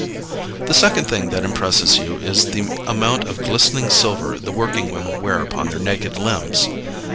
The second thing that impresses you is the amount of glistening silver the working women wear upon their naked limbs.